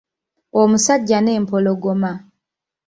Omusajja n'empologoma.